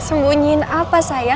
sembunyiin apa sayang